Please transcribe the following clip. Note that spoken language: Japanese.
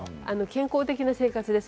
健康的な生活です。